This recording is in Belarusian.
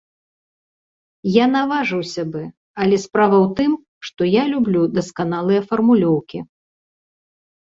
Я наважыўся бы, але справа ў тым, што я люблю дасканалыя фармулёўкі.